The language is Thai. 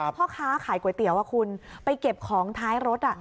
พ่อค้าขายก๋วยเตี๋ยวคุณไปเก็บของท้ายรถ